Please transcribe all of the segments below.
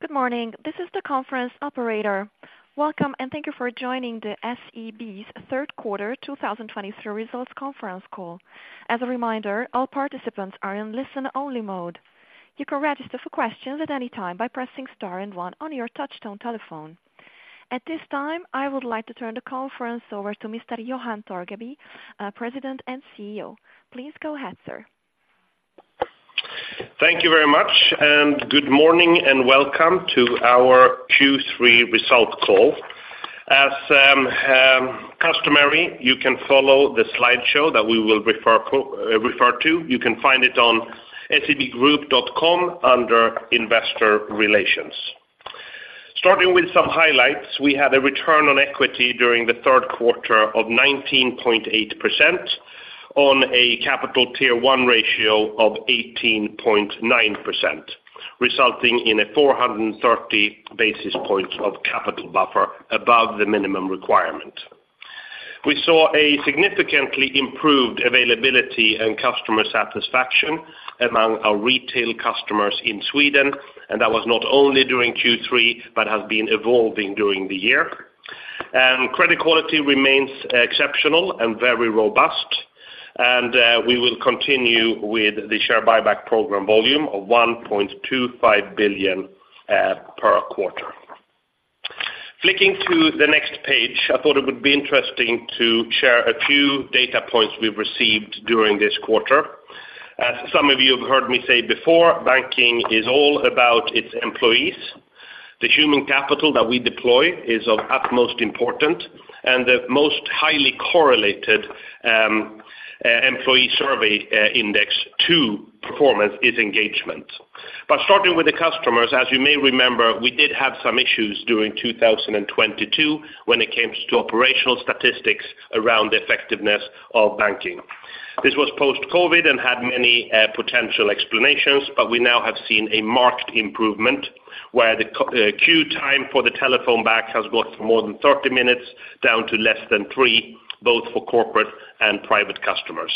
Good morning, this is the conference operator. Welcome, and thank you for joining the SEB's third quarter 2023 results conference call. As a reminder, all participants are in listen-only mode. You can register for questions at any time by pressing star and one on your touchtone telephone. At this time, I would like to turn the conference over to Mr. Johan Torgeby, President and CEO. Please go ahead, sir. Thank you very much, and good morning, and welcome to our Q3 results call. As customary, you can follow the slideshow that we will refer to. You can find it on sebgroup.com under Investor Relations. Starting with some highlights, we had a return on equity during the third quarter of 19.8% on a capital tier one ratio of 18.9%, resulting in 430 basis points of capital buffer above the minimum requirement. We saw a significantly improved availability and customer satisfaction among our retail customers in Sweden, and that was not only during Q3, but has been evolving during the year. Credit quality remains exceptional and very robust, and we will continue with the share buyback program volume of 1.25 billion per quarter. Flicking to the next page, I thought it would be interesting to share a few data points we've received during this quarter. As some of you have heard me say before, banking is all about its employees. The human capital that we deploy is of utmost important, and the most highly correlated employee survey index to performance is engagement. But starting with the customers, as you may remember, we did have some issues during 2022 when it came to operational statistics around the effectiveness of banking. This was post-COVID and had many potential explanations, but we now have seen a marked improvement, where the queue time for the telephone bank has got more than 30 minutes, down to less than three, both for corporate and private customers.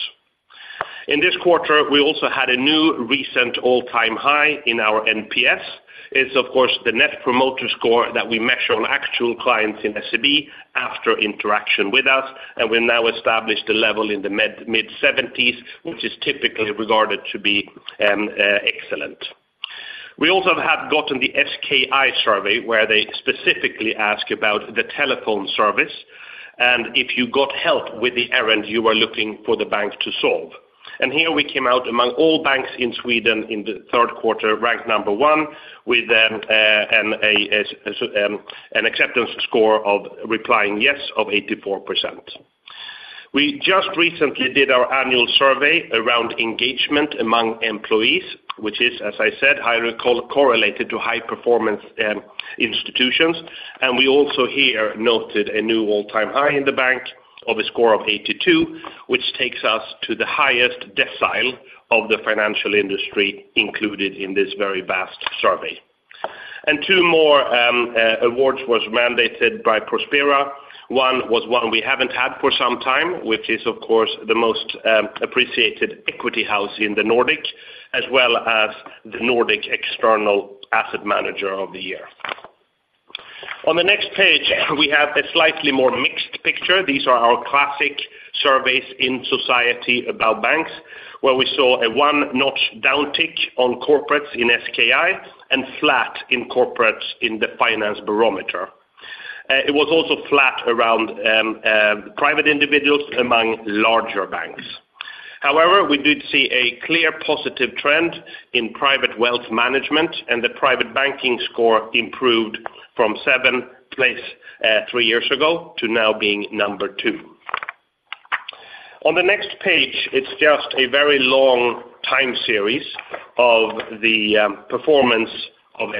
In this quarter, we also had a new recent all-time high in our NPS. It's of course the net promoter score that we measure on actual clients in SEB after interaction with us, and we've now established a level in the mid-70s, which is typically regarded to be excellent. We also have gotten the SKI survey, where they specifically ask about the telephone service and if you got help with the errand you were looking for the bank to solve. And here we came out among all banks in Sweden in the third quarter, ranked number one, with an acceptance score of replying yes of 84%. We just recently did our annual survey around engagement among employees, which is, as I said, highly correlated to high performance institutions. We also here noted a new all-time high in the bank of a score of 82, which takes us to the highest decile of the financial industry, included in this very vast survey. Two more awards was mandated by Prospera. One was one we haven't had for some time, which is, of course, the most, appreciated equity house in the Nordic, as well as the Nordic external asset manager of the year. On the next page, we have a slightly more mixed picture. These are our classic surveys in society about banks, where we saw a one-notch downtick on corporates in SKI and flat in corporates in the finance barometer. It was also flat around, private individuals among larger banks. However, we did see a clear positive trend in private wealth management, and the private banking score improved from seventh place three years ago, to now being number two. On the next page, it's just a very long time series of the performance of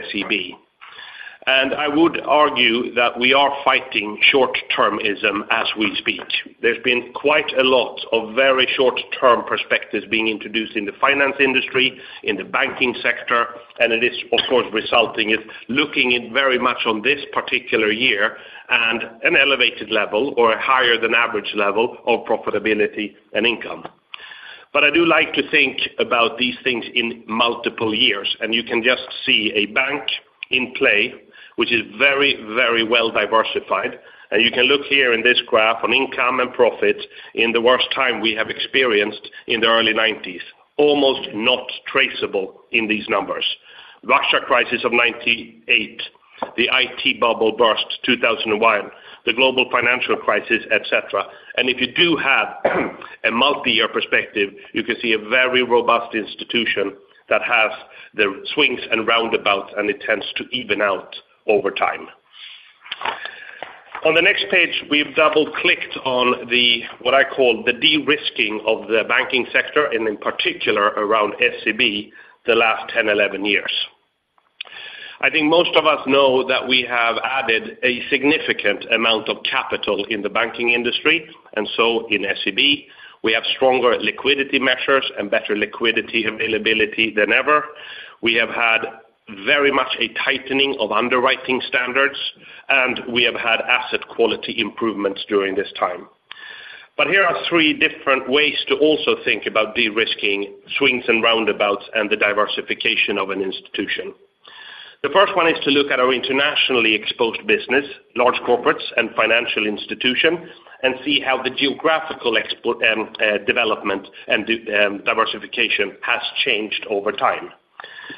SEB. I would argue that we are fighting short-termism as we speak. There's been quite a lot of very short-term perspectives being introduced in the finance industry, in the banking sector, and it is, of course, resulting in looking in very much on this particular year and an elevated level or a higher than average level of profitability and income. But I do like to think about these things in multiple years, and you can just see a bank in play, which is very, very well diversified. You can look here in this graph on income and profit in the worst time we have experienced in the early 1990s, almost not traceable in these numbers. Russia crisis of 1998, the IT bubble burst 2001, the global financial crisis, et cetera. If you do have a multi-year perspective, you can see a very robust institution that has the swings and roundabouts, and it tends to even out over time. On the next page, we've double-clicked on the, what I call the de-risking of the banking sector, and in particular, around SEB, the last 10, 11 years. I think most of us know that we have added a significant amount of capital in the banking industry, and so in SEB, we have stronger liquidity measures and better liquidity availability than ever. We have had very much a tightening of underwriting standards, and we have had asset quality improvements during this time. But here are three different ways to also think about de-risking swings and roundabouts and the diversification of an institution. The first one is to look at our internationally exposed business, large corporates, and financial institution, and see how the geographical export and development and diversification has changed over time.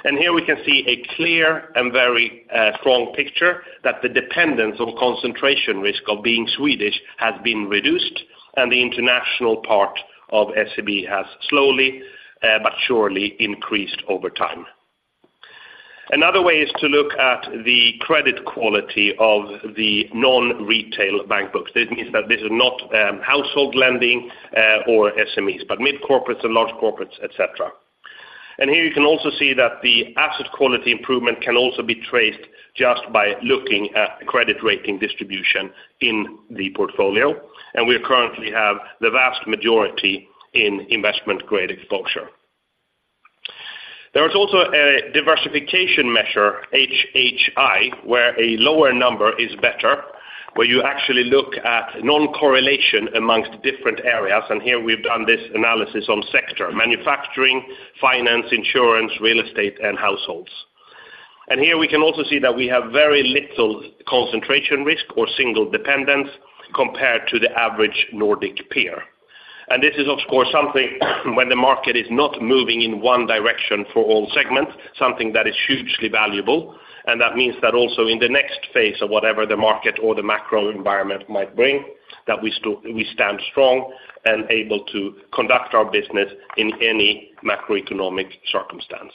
And here we can see a clear and very strong picture that the dependence on concentration risk of being Swedish has been reduced, and the international part of SEB has slowly but surely increased over time. Another way is to look at the credit quality of the non-retail bank books. This means that this is not household lending or SMEs, but mid corporates and large corporates, et cetera. Here you can also see that the asset quality improvement can also be traced just by looking at credit rating distribution in the portfolio, and we currently have the vast majority in investment-grade exposure. There is also a diversification measure, HHI, where a lower number is better, where you actually look at non-correlation among different areas, and here we've done this analysis on sector, manufacturing, finance, insurance, real estate, and households. Here we can also see that we have very little concentration risk or single dependence compared to the average Nordic peer. This is, of course, something when the market is not moving in one direction for all segments, something that is hugely valuable, and that means that also in the next phase of whatever the market or the macro environment might bring, that we stand strong and able to conduct our business in any macroeconomic circumstance.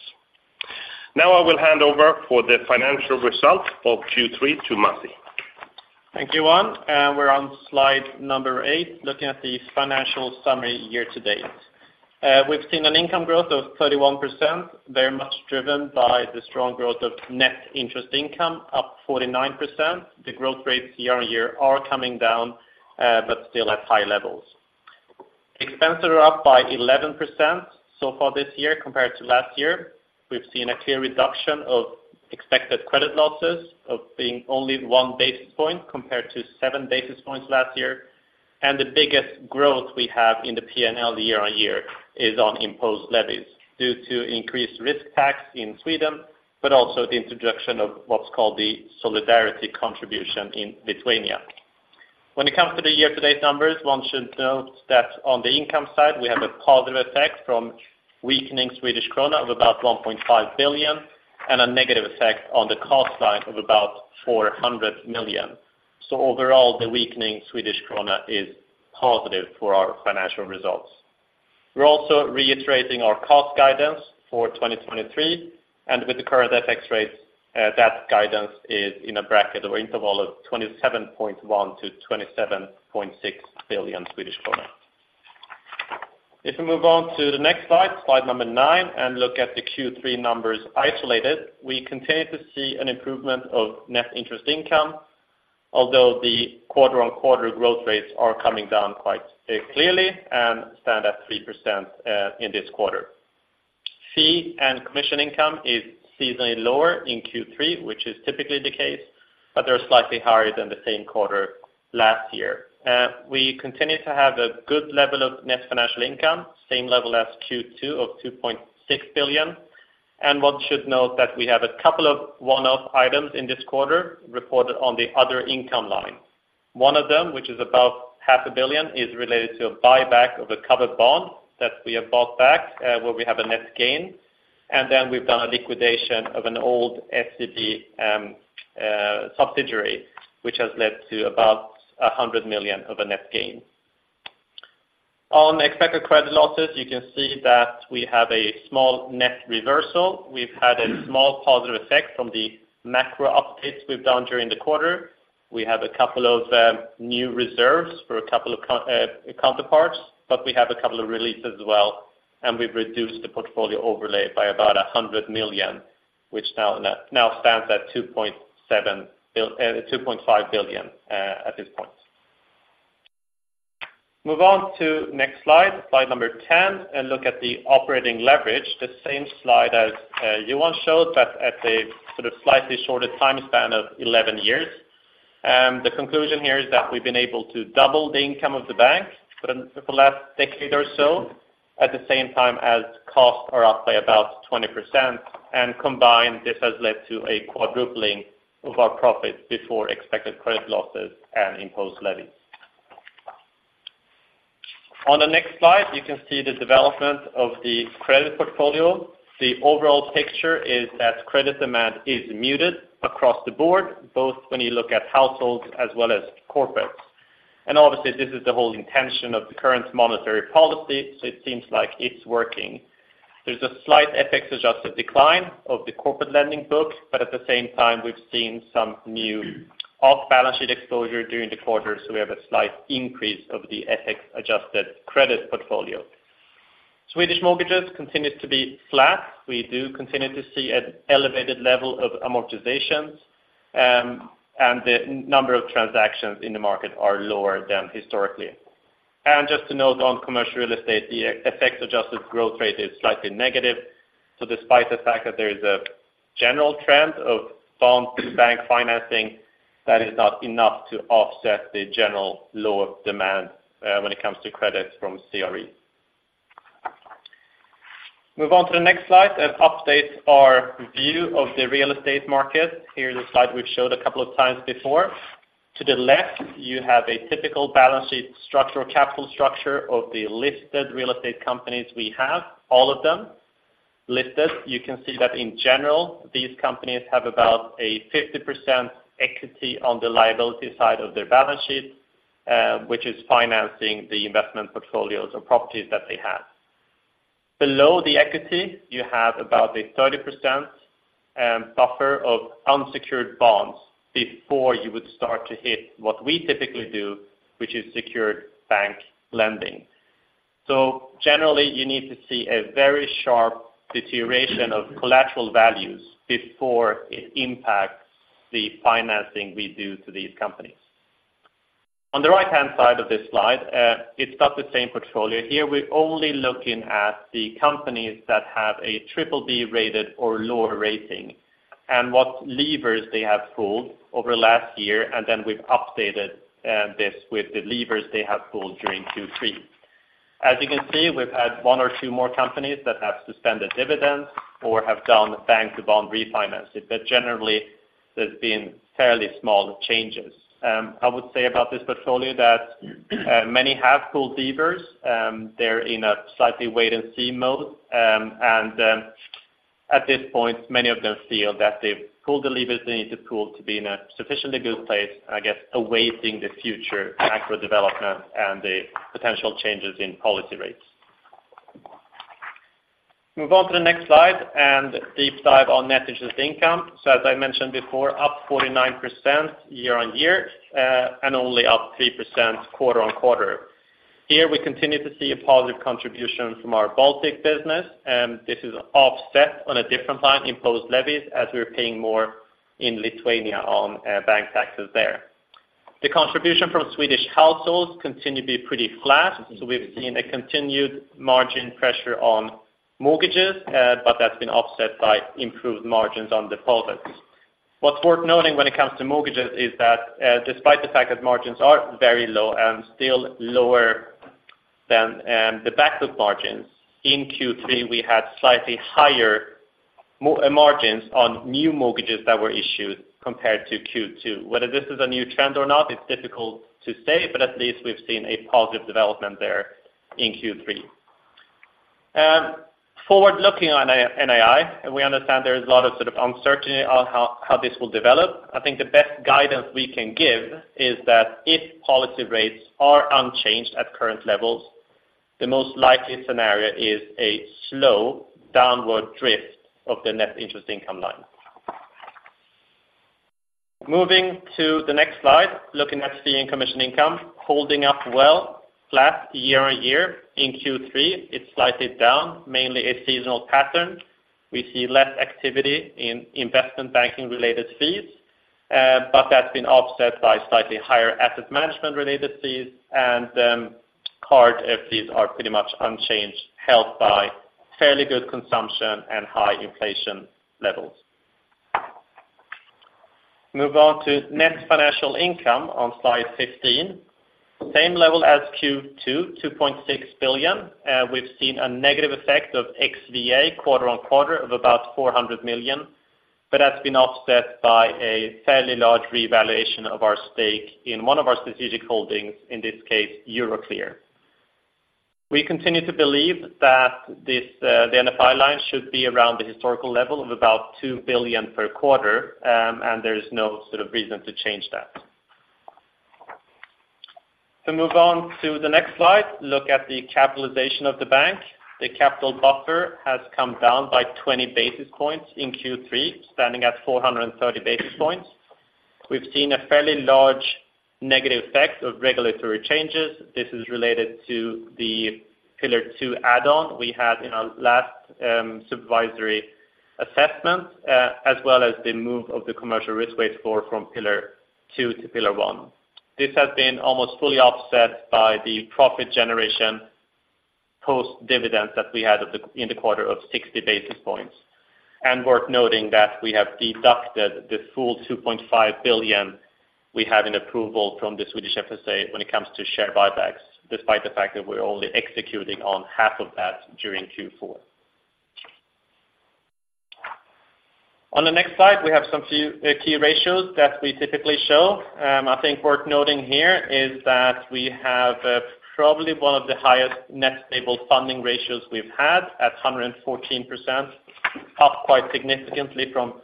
Now I will hand over for the financial results of Q3 to Masih. Thank you, Johan. We're on slide number 8, looking at the financial summary year to date. We've seen an income growth of 31%, very much driven by the strong growth of net interest income, up 49%. The growth rates year on year are coming down, but still at high levels. Expenses are up by 11% so far this year compared to last year. We've seen a clear reduction of expected credit losses of being only 1 basis point compared to 7 basis points last year. And the biggest growth we have in the P&L year on year is on imposed levies due to increased risk tax in Sweden, but also the introduction of what's called the solidarity contribution in Lithuania. When it comes to the year-to-date numbers, one should note that on the income side, we have a positive effect from weakening Swedish krona of about 1.5 billion and a negative effect on the cost side of about 400 million. So overall, the weakening Swedish krona is positive for our financial results. We're also reiterating our cost guidance for 2023, and with the current FX rates, that guidance is in a bracket or interval of 27.1 billion-27.6 billion Swedish kronor. If we move on to the next slide, slide number 9, and look at the Q3 numbers isolated, we continue to see an improvement of net interest income, although the quarter-on-quarter growth rates are coming down quite clearly and stand at 3%, in this quarter. Fee and commission income is seasonally lower in Q3, which is typically the case, but they're slightly higher than the same quarter last year. We continue to have a good level of net financial income, same level as Q2 of 2.6 billion. One should note that we have a couple of one-off items in this quarter reported on the other income line. One of them, which is about 0.5 billion, is related to a buyback of a covered bond that we have bought back, where we have a net gain. Then we've done a liquidation of an old SEB subsidiary, which has led to about 100 million of a net gain. On expected credit losses, you can see that we have a small net reversal. We've had a small positive effect from the macro updates we've done during the quarter. We have a couple of new reserves for a couple of counterparts, but we have a couple of releases as well, and we've reduced the portfolio overlay by about 100 million, which now stands at 2.7 billion, 2.5 billion at this point. Move on to next slide, slide number 10, and look at the operating leverage, the same slide as Johan showed, but at a sort of slightly shorter time span of 11 years. The conclusion here is that we've been able to double the income of the bank for the last decade or so, at the same time as costs are up by about 20%, and combined, this has led to a quadrupling of our profit before expected credit losses and imposed levies. On the next slide, you can see the development of the credit portfolio. The overall picture is that credit demand is muted across the board, both when you look at households as well as corporates. Obviously, this is the whole intention of the current monetary policy, so it seems like it's working. There's a slight FX-adjusted decline of the corporate lending book, but at the same time, we've seen some new off-balance sheet exposure during the quarter, so we have a slight increase of the FX-adjusted credit portfolio. Swedish mortgages continue to be flat. We do continue to see an elevated level of amortizations, and the number of transactions in the market are lower than historically. Just to note on commercial real estate, the FX-adjusted growth rate is slightly negative. So despite the fact that there is a general trend of strong bank financing, that is not enough to offset the general lower demand when it comes to credits from CRE. Move on to the next slide and update our view of the real estate market. Here is a slide we've showed a couple of times before. To the left, you have a typical balance sheet structure or capital structure of the listed real estate companies we have, all of them listed. You can see that in general, these companies have about a 50% equity on the liability side of their balance sheet, which is financing the investment portfolios or properties that they have. Below the equity, you have about a 30% buffer of unsecured bonds before you would start to hit what we typically do, which is secured bank lending. So generally, you need to see a very sharp deterioration of collateral values before it impacts the financing we do to these companies. On the right-hand side of this slide, it's got the same portfolio. Here, we're only looking at the companies that have a triple B rated or lower rating, and what levers they have pulled over last year, and then we've updated this with the levers they have pulled during Q3. As you can see, we've had one or two more companies that have suspended dividends or have done bank-to-bond refinancing, but generally, there's been fairly small changes. I would say about this portfolio that many have pulled levers, they're in a slightly wait-and-see mode. At this point, many of them feel that they've pulled the levers they need to pull to be in a sufficiently good place, I guess, awaiting the future macro development and the potential changes in policy rates. Move on to the next slide and deep dive on net interest income. So as I mentioned before, up 49% year-on-year, and only up 3% quarter-on-quarter. Here, we continue to see a positive contribution from our Baltic business, and this is offset on a different line, imposed levies, as we're paying more in Lithuania on bank taxes there. The contribution from Swedish households continue to be pretty flat, so we've seen a continued margin pressure on mortgages, but that's been offset by improved margins on deposits. What's worth noting when it comes to mortgages is that, despite the fact that margins are very low and still lower than the back book margins, in Q3, we had slightly higher margins on new mortgages that were issued compared to Q2. Whether this is a new trend or not, it's difficult to say, but at least we've seen a positive development there in Q3. Forward looking on NII, and we understand there is a lot of sort of uncertainty on how this will develop. I think the best guidance we can give is that if policy rates are unchanged at current levels, the most likely scenario is a slow downward drift of the net interest income line. Moving to the next slide, looking at fee and commission income, holding up well, flat year-over-year. In Q3, it's slightly down, mainly a seasonal pattern. We see less activity in investment banking-related fees, but that's been offset by slightly higher asset management-related fees, and card fees are pretty much unchanged, held by fairly good consumption and high inflation levels. Move on to net financial income on slide 15. Same level as Q2, 2.6 billion. We've seen a negative effect of XVA quarter-over-quarter of about 400 million, but that's been offset by a fairly large revaluation of our stake in one of our strategic holdings, in this case, Euroclear. We continue to believe that this, the NFI line should be around the historical level of about 2 billion per quarter, and there is no sort of reason to change that. So move on to the next slide. Look at the capitalization of the bank. The capital buffer has come down by 20 basis points in Q3, standing at 430 basis points. We've seen a fairly large negative effect of regulatory changes. This is related to the Pillar II add-on we had in our last supervisory assessment, as well as the move of the commercial risk weight score from Pillar II to Pillar I. This has been almost fully offset by the profit generation post-dividend that we had in the quarter of 60 basis points. And worth noting that we have deducted the full 2.5 billion we had in approval from the Swedish FSA when it comes to share buybacks, despite the fact that we're only executing on half of that during Q4. On the next slide, we have some few key ratios that we typically show. I think it's worth noting here is that we have probably one of the highest net stable funding ratios we've had at 114%, up quite significantly from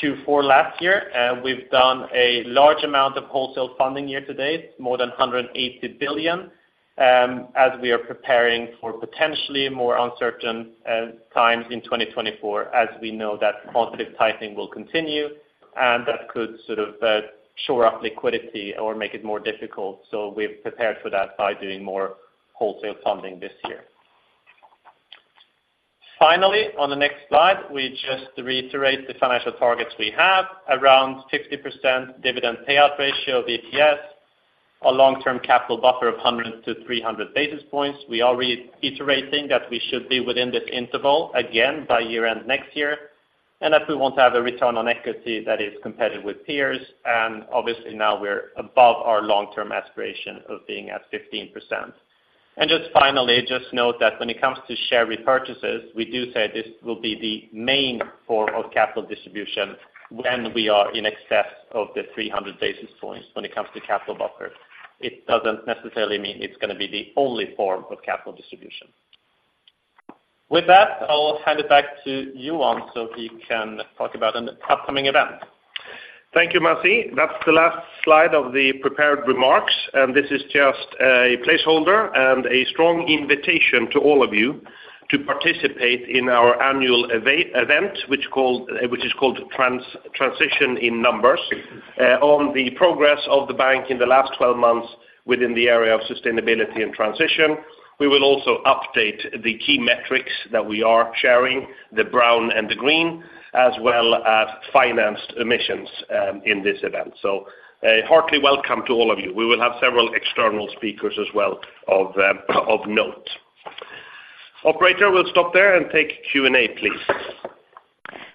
Q4 last year. We've done a large amount of wholesale funding year to date, more than 180 billion, as we are preparing for potentially more uncertain times in 2024, as we know that tightening will continue, and that could sort of shore up liquidity or make it more difficult. So we've prepared for that by doing more wholesale funding this year. Finally, on the next slide, we just reiterate the financial targets we have, around 60% dividend payout ratio of EAT, a long-term capital buffer of 100-300 basis points. We are reiterating that we should be within this interval again by year-end next year, and that we want to have a return on equity that is competitive with peers, and obviously now we're above our long-term aspiration of being at 15%. And just finally, just note that when it comes to share repurchases, we do say this will be the main form of capital distribution when we are in excess of the 300 basis points when it comes to capital buffer. It doesn't necessarily mean it's gonna be the only form of capital distribution. With that, I'll hand it back to you, Johan, so he can talk about an upcoming event. Thank you, Masih. That's the last slide of the prepared remarks, and this is just a placeholder and a strong invitation to all of you to participate in our annual event, which is called Transition in Numbers, on the progress of the bank in the last twelve months within the area of sustainability and transition. We will also update the key metrics that we are sharing, the brown and the green, as well as financed emissions, in this event. So, heartily welcome to all of you. We will have several external speakers as well of note. Operator, we'll stop there and take Q&A, please.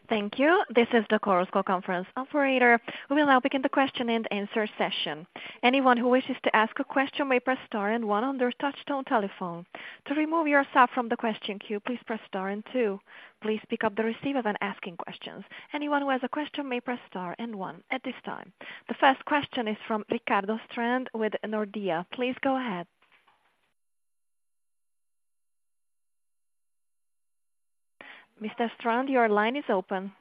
Thank you. This is the Chorus Call conference operator. We will now begin the question and answer session. Anyone who wishes to ask a question may press star and one on their touchtone telephone. To remove yourself from the question queue, please press star and two. Please pick up the receiver when asking questions. Anyone who has a question may press star and one at this time. The first question is from Rickard Strand with Nordea. Please go ahead. Mr. Strand, your line is open.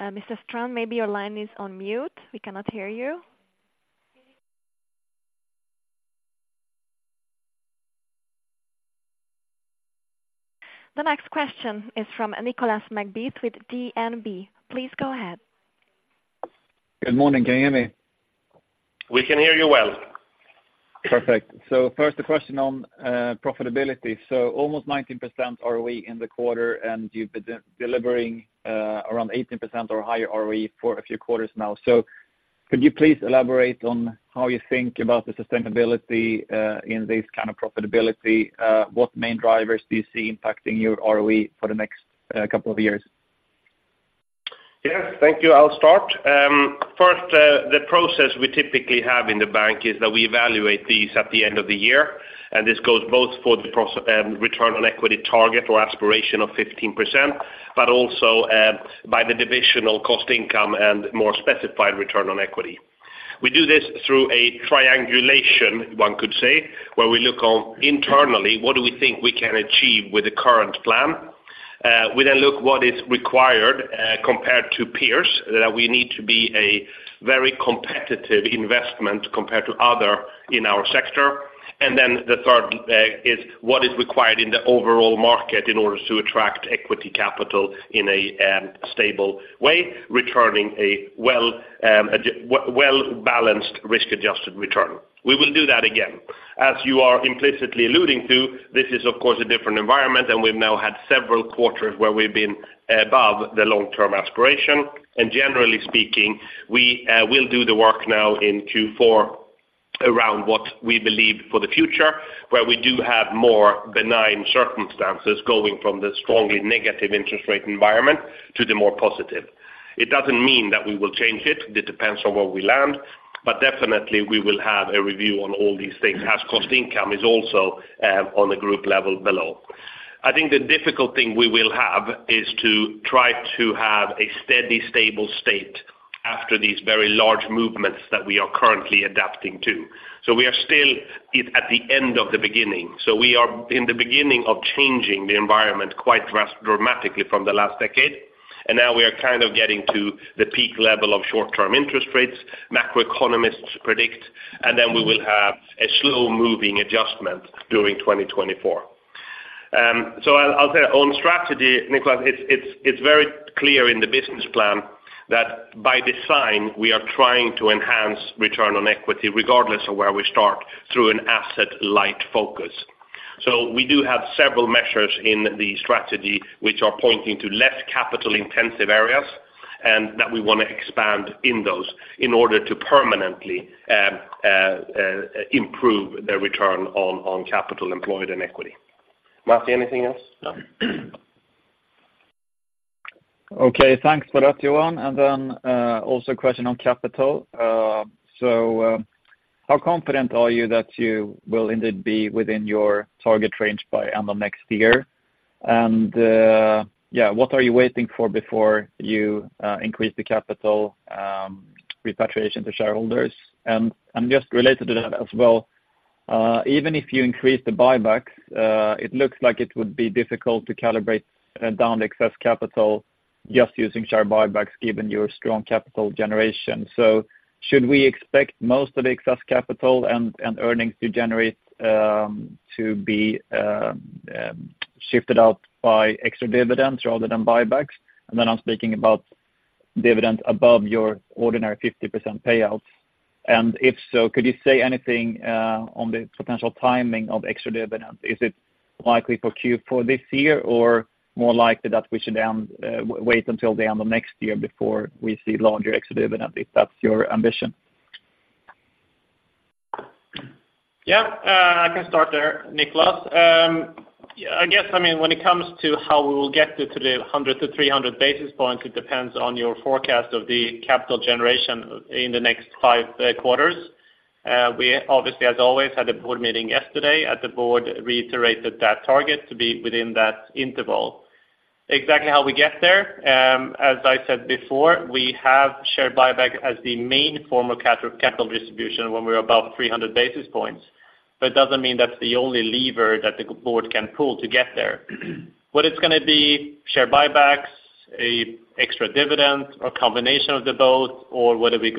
Mr. Strand, maybe your line is on mute. We cannot hear you. The next question is from Nicolas McBeath with DNB. Please go ahead. Good morning, can you hear me? We can hear you well. Perfect. So first, a question on profitability. So almost 19% ROE in the quarter, and you've been delivering around 18% or higher ROE for a few quarters now. So could you please elaborate on how you think about the sustainability in this kind of profitability? What main drivers do you see impacting your ROE for the next couple of years? Yes, thank you. I'll start. First, the process we typically have in the bank is that we evaluate these at the end of the year, and this goes both for the return on equity target or aspiration of 15%, but also, by the divisional cost income and more specified return on equity. We do this through a triangulation, one could say, where we look on internally, what do we think we can achieve with the current plan? We then look what is required, compared to peers, that we need to be a very competitive investment compared to other in our sector. And then the third, is what is required in the overall market in order to attract equity capital in a, stable way, returning a well-balanced risk-adjusted return. We will do that again. As you are implicitly alluding to, this is, of course, a different environment, and we've now had several quarters where we've been above the long-term aspiration. Generally speaking, we will do the work now in Q4 around what we believe for the future, where we do have more benign circumstances going from the strongly negative interest rate environment to the more positive. It doesn't mean that we will change it, it depends on where we land, but definitely we will have a review on all these things, as cost income is also on the group level below. I think the difficult thing we will have is to try to have a steady, stable state after these very large movements that we are currently adapting to. We are still it at the end of the beginning. So we are in the beginning of changing the environment quite dramatically from the last decade, and now we are kind of getting to the peak level of short-term interest rates, macroeconomists predict, and then we will have a slow-moving adjustment during 2024. So I'll, I'll say on strategy, Nicolas, it's, it's, it's very clear in the business plan that by design, we are trying to enhance return on equity regardless of where we start, through an asset light focus. So we do have several measures in the strategy which are pointing to less capital-intensive areas, and that we wanna expand in those in order to permanently improve the return on, on capital employed and equity. Masih, anything else? No. Okay, thanks for that, Johan. And then, also a question on capital. So, how confident are you that you will indeed be within your target range by end of next year? And, yeah, what are you waiting for before you increase the capital repatriation to shareholders? And just related to that as well, even if you increase the buybacks, it looks like it would be difficult to calibrate down the excess capital just using share buybacks given your strong capital generation. So should we expect most of the excess capital and earnings to generate to be shifted out by extra dividends rather than buybacks? And then I'm speaking about dividends above your ordinary 50% payouts. And if so, could you say anything on the potential timing of extra dividends? Is it likely for Q4 this year, or more likely that we should wait until the end of next year before we see larger extra dividends, if that's your ambition? Yeah, I can start there, Nicolas. Yeah, I guess, I mean, when it comes to how we will get to the 100 to 300 basis points, it depends on your forecast of the capital generation in the next five quarters. We obviously, as always, had a board meeting yesterday, and the board reiterated that target to be within that interval. Exactly how we get there, as I said before, we have share buyback as the main form of capital distribution when we're above 300 basis points. But it doesn't mean that's the only lever that the board can pull to get there. Whether it's gonna be share buybacks, an extra dividend, or combination of the both, or whether we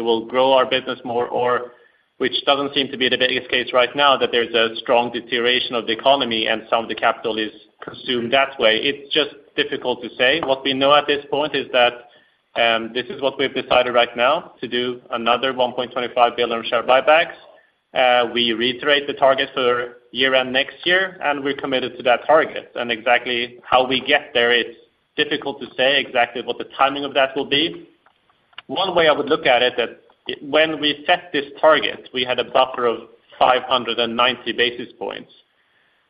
will grow our business more, or which doesn't seem to be the biggest case right now, that there's a strong deterioration of the economy and some of the capital is consumed that way. It's just difficult to say. What we know at this point is that, this is what we've decided right now, to do another 1.25 billion share buybacks. We reiterate the target for year-end next year, and we're committed to that target. And exactly how we get there, it's difficult to say exactly what the timing of that will be. One way I would look at it, when we set this target, we had a buffer of 590 basis points,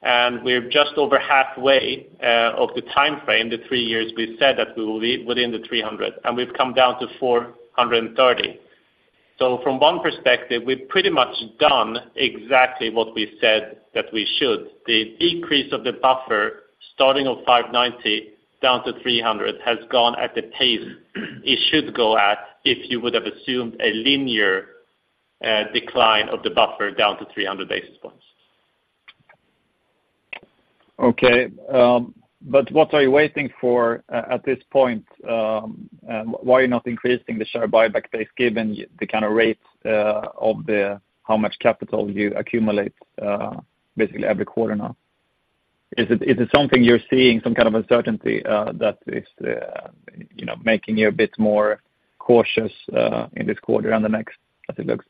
and we're just over halfway of the timeframe, the three years we said that we will be within the 300, and we've come down to 430. So from one perspective, we've pretty much done exactly what we said that we should. The decrease of the buffer, starting of 590, down to 300, has gone at the pace it should go at if you would have assumed a linear decline of the buffer down to 300 basis points. Okay, but what are you waiting for at this point? Why are you not increasing the share buyback pace, given the kind of rates of the how much capital you accumulate basically every quarter now? Is it something you're seeing, some kind of uncertainty that is you know making you a bit more cautious in this quarter and the next, as it looks?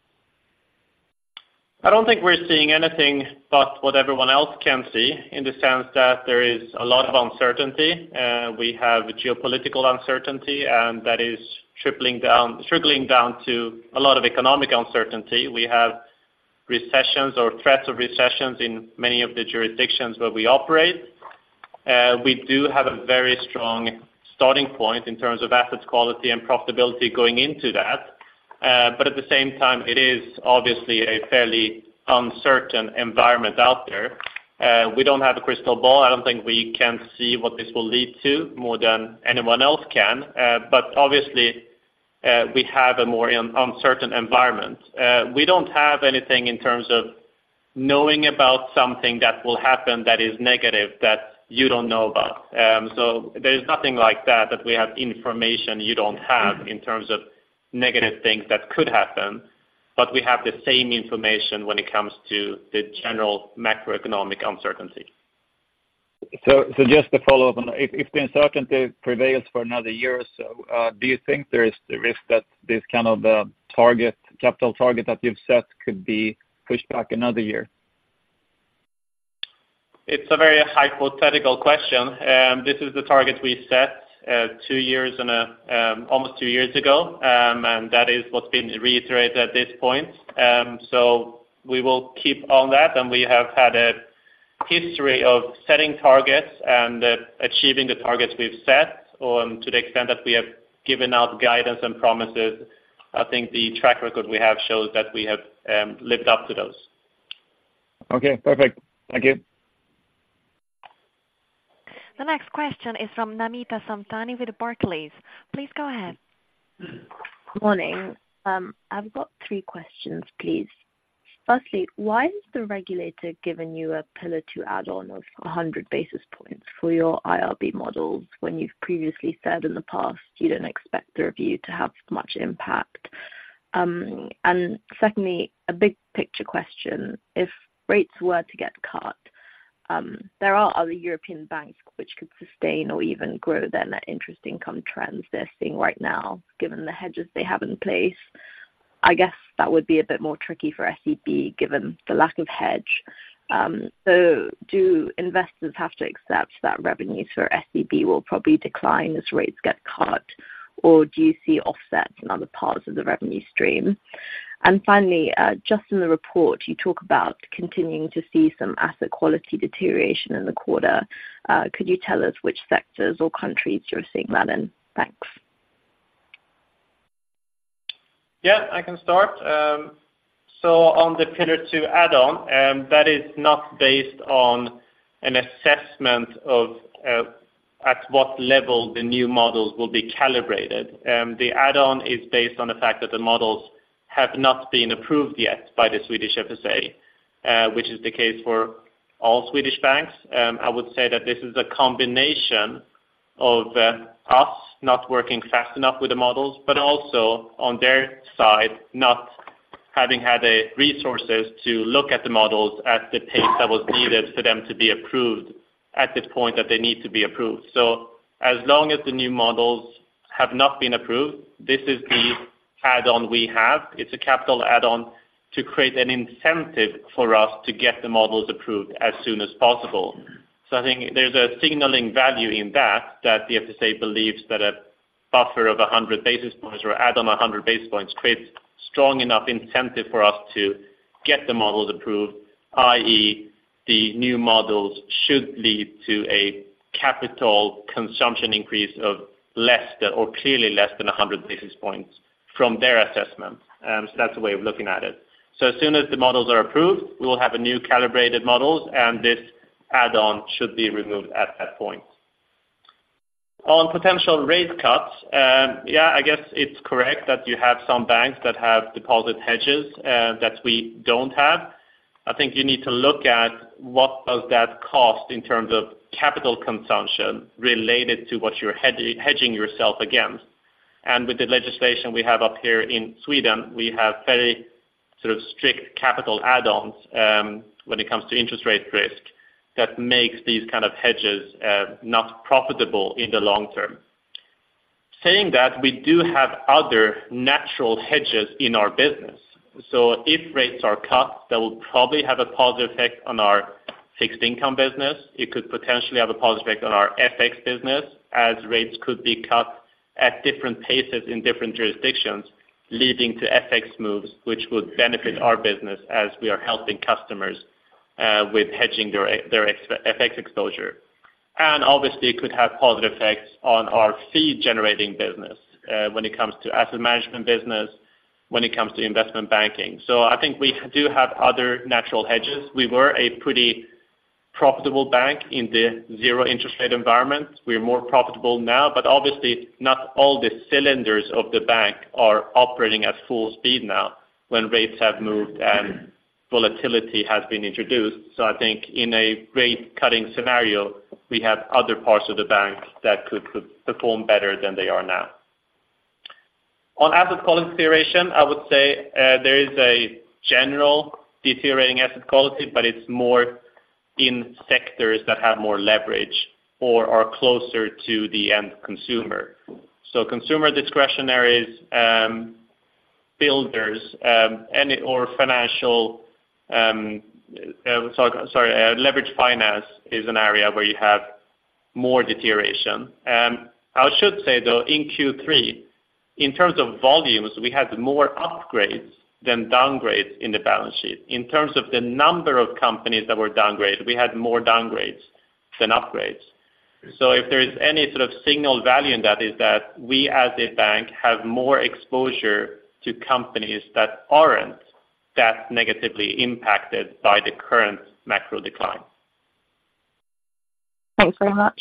I don't think we're seeing anything but what everyone else can see, in the sense that there is a lot of uncertainty. We have geopolitical uncertainty, and that is tripling down, trickling down to a lot of economic uncertainty. We have recessions or threats of recessions in many of the jurisdictions where we operate. We do have a very strong starting point in terms of assets, quality, and profitability going into that. But at the same time, it is obviously a fairly uncertain environment out there. We don't have a crystal ball. I don't think we can see what this will lead to more than anyone else can, but obviously, we have a more uncertain environment. We don't have anything in terms of knowing about something that will happen that is negative, that you don't know about. There is nothing like that, that we have information you don't have- Mm-hmm... in terms of negative things that could happen, but we have the same information when it comes to the general macroeconomic uncertainty. So just to follow up on that, if the uncertainty prevails for another year or so, do you think there is the risk that this kind of target, capital target that you've set could be pushed back another year? It's a very hypothetical question. This is the target we set two years and almost two years ago. And that is what's been reiterated at this point. So we will keep on that, and we have had a history of setting targets and achieving the targets we've set. To the extent that we have given out guidance and promises, I think the track record we have shows that we have lived up to those. Okay, perfect. Thank you. The next question is from Namita Samtani with Barclays. Please go ahead. Morning. I've got three questions, please. Firstly, why has the regulator given you a Pillar II add-on of 100 basis points for your IRB models, when you've previously said in the past you didn't expect the review to have much impact? And secondly, a big picture question: If rates were to get cut, there are other European banks which could sustain or even grow their net interest income trends they're seeing right now, given the hedges they have in place. I guess that would be a bit more tricky for SEB, given the lack of hedge. So do investors have to accept that revenues for SEB will probably decline as rates get cut, or do you see offsets in other parts of the revenue stream? Finally, just in the report, you talk about continuing to see some asset quality deterioration in the quarter. Could you tell us which sectors or countries you're seeing that in? Thanks. Yeah, I can start. So on the Pillar II add-on, that is not based on an assessment of, at what level the new models will be calibrated. The add-on is based on the fact that the models have not been approved yet by the Swedish FSA, which is the case for all Swedish banks. I would say that this is a combination of, us not working fast enough with the models, but also on their side, not having had a resources to look at the models at the pace that was needed for them to be approved at this point that they need to be approved. So as long as the new models have not been approved, this is the add-on we have. It's a capital add-on to create an incentive for us to get the models approved as soon as possible. So I think there's a signaling value in that, that the FSA believes that a buffer of 100 basis points or add on 100 basis points creates strong enough incentive for us to get the models approved, i.e., the new models should lead to a capital consumption increase of less than or clearly less than 100 basis points from their assessment. So that's a way of looking at it. So as soon as the models are approved, we will have new calibrated models, and this add-on should be removed at that point. On potential rate cuts, yeah, I guess it's correct that you have some banks that have deposit hedges that we don't have. I think you need to look at what does that cost in terms of capital consumption related to what you're hedging yourself against. With the legislation we have up here in Sweden, we have very sort of strict capital add-ons, when it comes to interest rate risk, that makes these kind of hedges not profitable in the long term. Saying that, we do have other natural hedges in our business. So if rates are cut, that will probably have a positive effect on our fixed income business. It could potentially have a positive effect on our FX business, as rates could be cut at different paces in different jurisdictions, leading to FX moves, which would benefit our business as we are helping customers with hedging their FX exposure. And obviously, it could have positive effects on our fee-generating business, when it comes to asset management business, when it comes to investment banking. So I think we do have other natural hedges. We were a pretty profitable bank in the zero interest rate environment. We are more profitable now, but obviously not all the cylinders of the bank are operating at full speed now, when rates have moved and volatility has been introduced. So I think in a rate cutting scenario, we have other parts of the bank that could perform better than they are now. On asset quality deterioration, I would say, there is a general deteriorating asset quality, but it's more in sectors that have more leverage or are closer to the end consumer. So consumer discretionaries, builders, any or financial, sorry, leverage finance is an area where you have more deterioration. I should say, though, in Q3, in terms of volumes, we had more upgrades than downgrades in the balance sheet. In terms of the number of companies that were downgraded, we had more downgrades than upgrades. So if there is any sort of signal value in that, is that we, as a bank, have more exposure to companies that aren't that negatively impacted by the current macro decline. Thanks very much.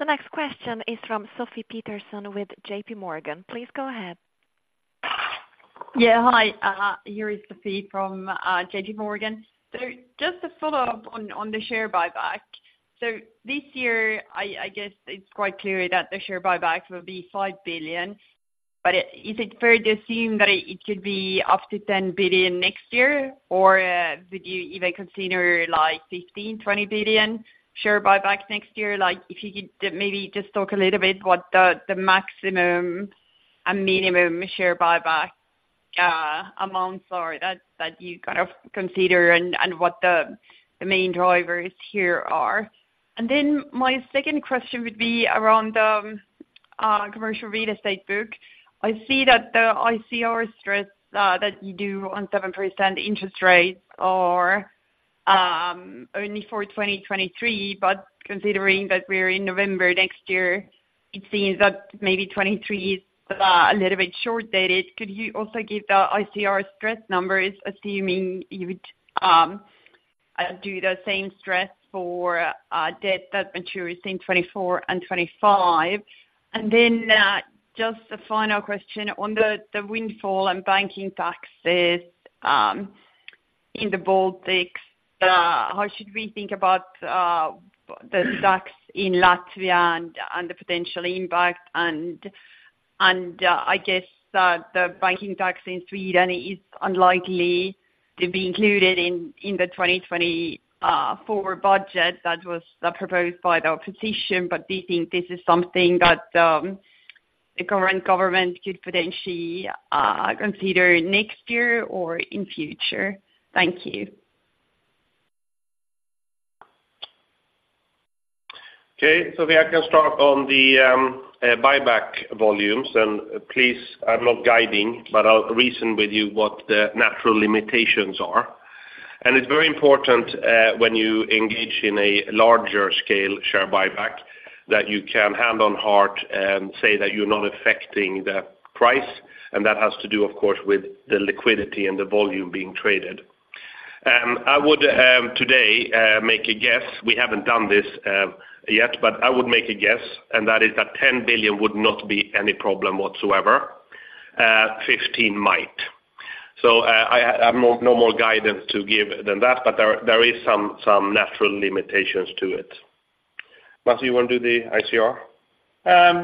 The next question is from Sofie Peterzens with JPMorgan. Please go ahead. Yeah, hi, here is Sofie from JPMorgan. So just a follow-up on the share buyback. So this year, I guess it's quite clear that the share buyback will be 5 billion, but is it fair to assume that it could be up to 10 billion next year? Or, would you even consider like 15 billion, 20 billion share buyback next year? Like, if you could maybe just talk a little bit what the maximum and minimum share buyback amounts are that you kind of consider and what the main drivers here are. And then my second question would be around commercial real estate book. I see that the ICR stress that you do on 7% interest rates are only for 2023, but considering that we're in November next year, it seems that maybe 2023 is a little bit short dated. Could you also give the ICR stress numbers, assuming you would do the same stress for debt that matures in 2024 and 2025? And then, just a final question on the windfall and banking taxes in the Baltics, how should we think about the tax in Latvia and, I guess that the banking tax in Sweden is unlikely to be included in the 2024 budget that was proposed by the opposition. Do you think this is something that the current government could potentially consider next year or in future? Thank you. Okay, so I can start on the buyback volumes, and please, I'm not guiding, but I'll reason with you what the natural limitations are. It's very important when you engage in a larger scale share buyback that you can hand on heart and say that you're not affecting the price, and that has to do, of course, with the liquidity and the volume being traded. I would today make a guess. We haven't done this yet, but I would make a guess, and that is that 10 billion would not be any problem whatsoever. 15 billion might. So I have no more guidance to give than that, but there is some natural limitations to it. ... Masih, you want to do the ICR?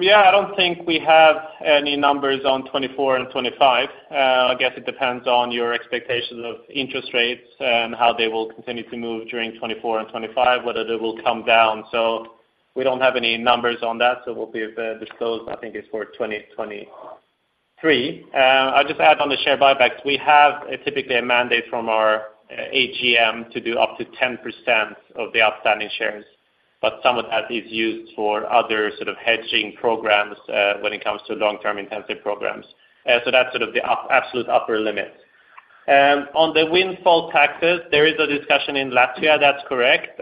Yeah, I don't think we have any numbers on 2024 and 2025. I guess it depends on your expectations of interest rates and how they will continue to move during 2024 and 2025, whether they will come down. So we don't have any numbers on that, so we'll be disclosed, I think it's for 2023. I'll just add on the share buybacks. We have a typically a mandate from our AGM to do up to 10% of the outstanding shares, but some of that is used for other sort of hedging programs when it comes to long-term intensive programs. So that's sort of the up-absolute upper limit. On the windfall taxes, there is a discussion in Latvia, that's correct.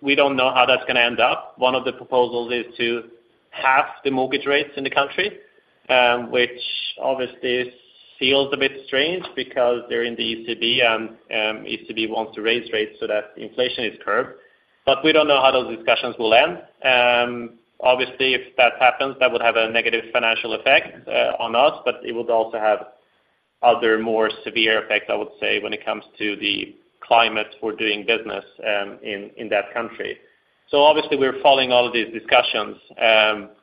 We don't know how that's gonna end up. One of the proposals is to halve the mortgage rates in the country, which obviously feels a bit strange because they're in the ECB, and ECB wants to raise rates so that inflation is curbed. But we don't know how those discussions will end. Obviously, if that happens, that would have a negative financial effect on us, but it would also have other more severe effects, I would say, when it comes to the climate for doing business in that country. So obviously, we're following all of these discussions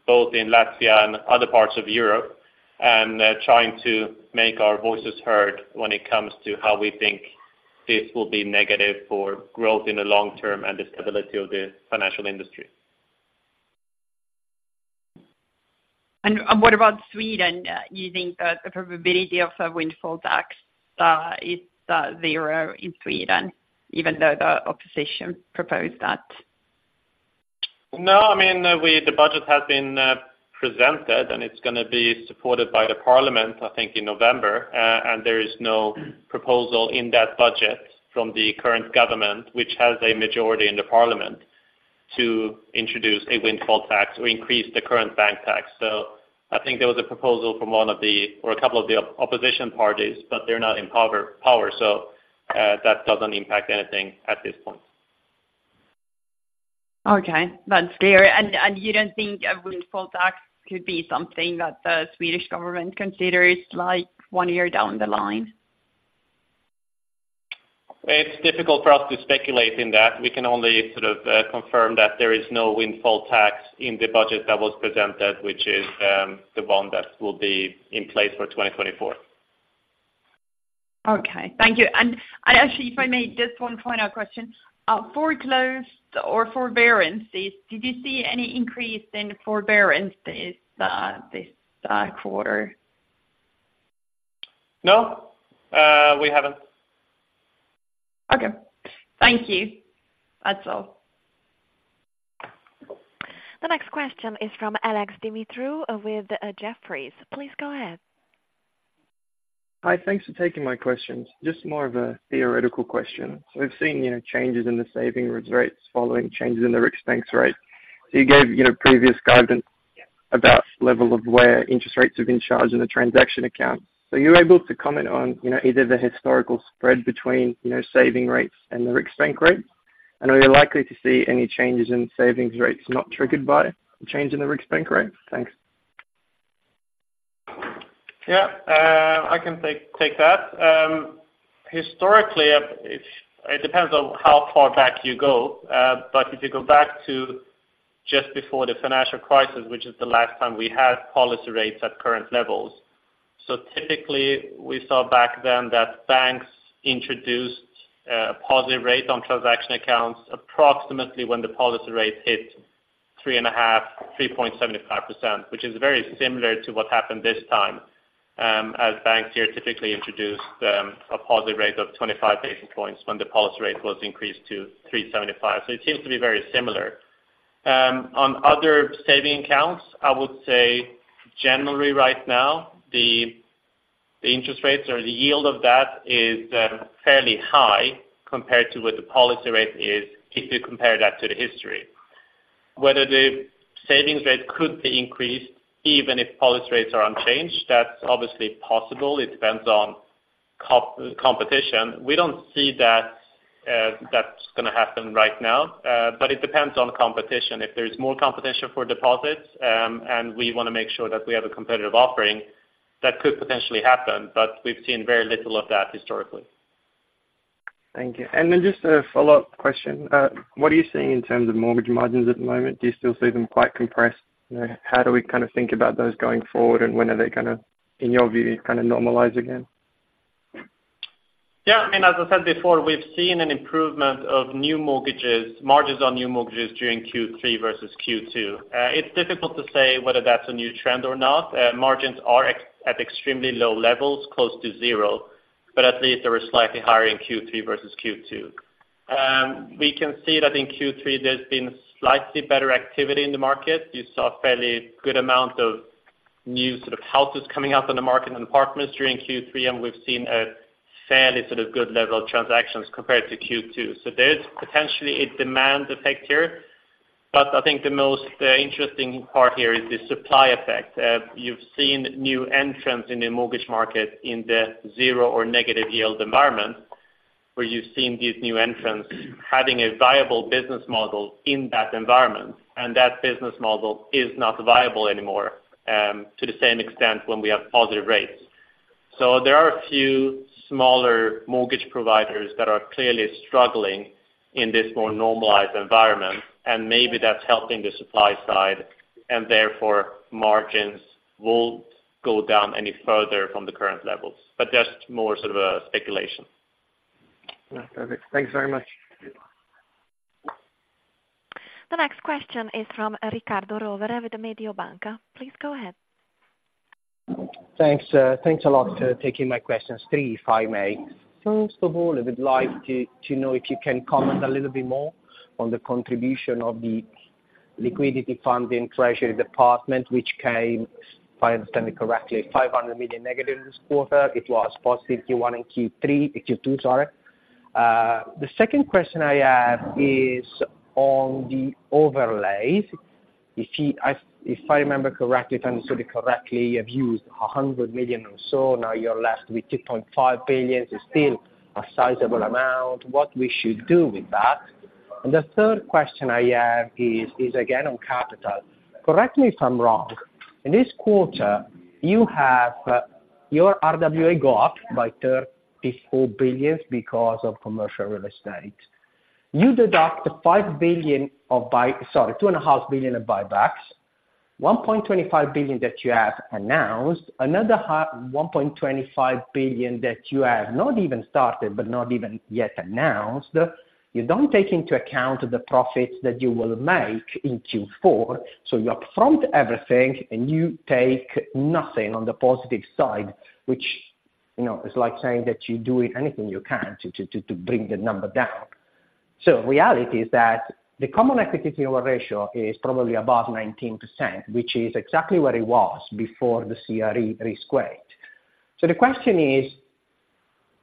both in Latvia and other parts of Europe, and trying to make our voices heard when it comes to how we think this will be negative for growth in the long term and the stability of the financial industry. What about Sweden? You think that the probability of a windfall tax is zero in Sweden, even though the opposition proposed that? No, I mean, the budget has been presented, and it's gonna be supported by the parliament, I think, in November. And there is no proposal in that budget from the current government, which has a majority in the parliament, to introduce a windfall tax or increase the current bank tax. So I think there was a proposal from one of the, or a couple of the opposition parties, but they're not in power, so that doesn't impact anything at this point. Okay, that's clear. And you don't think a windfall tax could be something that the Swedish government considers, like, one year down the line? It's difficult for us to speculate in that. We can only sort of confirm that there is no windfall tax in the budget that was presented, which is the one that will be in place for 2024. Okay. Thank you. And actually, if I may, just one final question. Foreclosed or forbearance, did you see any increase in the forbearance this quarter? No, we haven't. Okay. Thank you. That's all. The next question is from Alex Sheridan with Jefferies. Please go ahead. Hi, thanks for taking my questions. Just more of a theoretical question. So we've seen, you know, changes in the savings rates following changes in the Riksbank rate. So you gave, you know, previous guidance about level of where interest rates have been charged in the transaction account. So are you able to comment on, you know, either the historical spread between, you know, savings rates and the Riksbank rate? And are you likely to see any changes in savings rates not triggered by the change in the Riksbank rate? Thanks. Yeah, I can take that. Historically, it depends on how far back you go, but if you go back to just before the financial crisis, which is the last time we had policy rates at current levels, so typically, we saw back then that banks introduced positive rates on transaction accounts approximately when the policy rate hit 3.5, 3.75%, which is very similar to what happened this time, as banks here typically introduced a positive rate of 25 basis points when the policy rate was increased to 3.75. So it seems to be very similar. On other saving accounts, I would say generally right now, the interest rates or the yield of that is fairly high compared to what the policy rate is if you compare that to the history. Whether the savings rate could be increased, even if policy rates are unchanged, that's obviously possible. It depends on competition. We don't see that that's gonna happen right now, but it depends on competition. If there is more competition for deposits, and we wanna make sure that we have a competitive offering, that could potentially happen, but we've seen very little of that historically. Thank you. Then just a follow-up question. What are you seeing in terms of mortgage margins at the moment? Do you still see them quite compressed? You know, how do we kind of think about those going forward, and when are they gonna, in your view, kind of normalize again? Yeah, I mean, as I said before, we've seen an improvement of new mortgages, margins on new mortgages during Q3 versus Q2. It's difficult to say whether that's a new trend or not. Margins are at extremely low levels, close to zero, but at least they were slightly higher in Q3 versus Q2. We can see that in Q3, there's been slightly better activity in the market. You saw a fairly good amount of new sort of houses coming up on the market and apartments during Q3, and we've seen a fairly sort of good level of transactions compared to Q2. So there's potentially a demand effect here, but I think the most interesting part here is the supply effect. You've seen new entrants in the mortgage market in the zero or negative yield environment, where you've seen these new entrants having a viable business model in that environment, and that business model is not viable anymore, to the same extent when we have positive rates.... So there are a few smaller mortgage providers that are clearly struggling in this more normalized environment, and maybe that's helping the supply side, and therefore, margins won't go down any further from the current levels. But that's more sort of a speculation. Perfect. Thanks very much. The next question is from Riccardo Rovere with the Mediobanca. Please go ahead. Thanks, thanks a lot for taking my questions. Three, if I may. First of all, I would like to, to know if you can comment a little bit more on the contribution of the liquidity funding treasury department, which came, if I understand it correctly, 500 million negative this quarter. It was positive Q1 and Q3, Q2, sorry. The second question I have is on the overlays. If I remember correctly, if I understood correctly, you've used 100 million or so, now you're left with 2.5 billion, is still a sizable amount. What we should do with that? And the third question I have is again on capital. Correct me if I'm wrong, in this quarter, you have your RWA go up by 34 billion because of commercial real estate. You deduct the 2.5 billion of buybacks, 1.25 billion that you have announced, another 1.25 billion that you have not even started, but not even yet announced. You don't take into account the profits that you will make in Q4, so you upfront everything, and you take nothing on the positive side, which, you know, is like saying that you're doing anything you can to bring the number down. So reality is that the common equity ratio is probably about 19%, which is exactly what it was before the CRE risk weight. So the question is,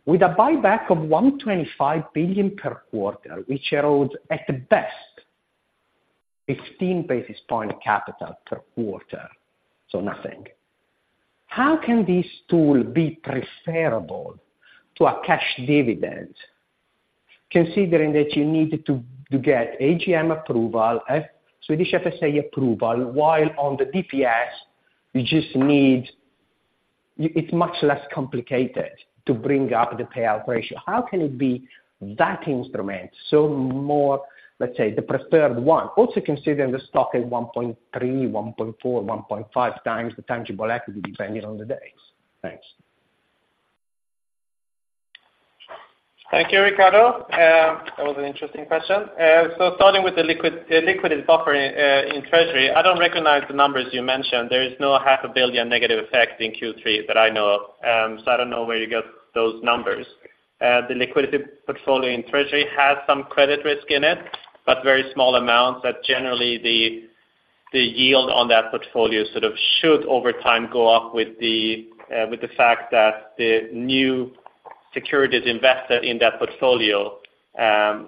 with a buyback of 125 billion per quarter, which erodes at best 15 basis points capital per quarter, so nothing, how can this tool be preferable to a cash dividend, considering that you need to get AGM approval, Swedish FSA approval, while on the DPS, you just need... it's much less complicated to bring up the payout ratio. How can it be that instrument so more, let's say, the preferred one? Also, considering the stock at 1.3, 1.4, 1.5 times the tangible equity, depending on the days. Thanks. Thank you, Riccardo. That was an interesting question. So starting with the liquidity, the liquidity buffer, in treasury, I don't recognize the numbers you mentioned. There is no 500 million negative effect in Q3 that I know of. So I don't know where you get those numbers. The liquidity portfolio in treasury has some credit risk in it, but very small amounts that generally the yield on that portfolio sort of should, over time, go up with the fact that the new securities invested in that portfolio